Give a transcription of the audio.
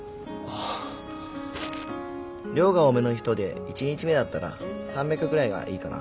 量が多めの人で１日目だったら３００ぐらいがいいかな。